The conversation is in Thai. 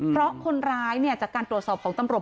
เพราะคนร้ายจากการตรวจสอบของตำรวจ